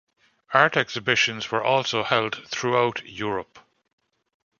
Art exhibitions were also held throughout Europe.